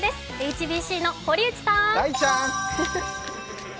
ＨＢＣの堀内さん。